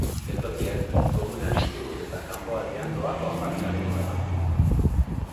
Geltokiak komunak ditu eta kanpoaldean doako aparkalekua dago.